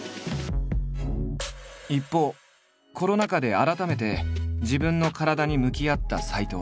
一方コロナ禍で改めて自分の体に向き合った斎藤。